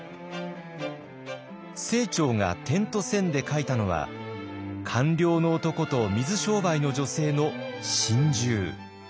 清張が「点と線」で書いたのは官僚の男と水商売の女性の心中。